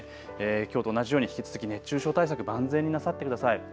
きょうと同じように引き続き熱中症対策万全になさってください。